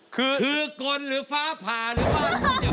คือมันหรือฟ้าผ่านหรือบ้าน